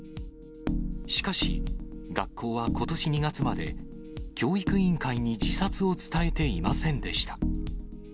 しかし、学校はことし２月まで、教育委員会に自殺を伝えていませんでした。